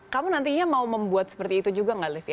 kamu nantinya mau membuat seperti itu juga gak livya